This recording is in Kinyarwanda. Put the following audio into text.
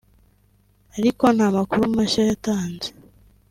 ariko nta makuru mashya yatanze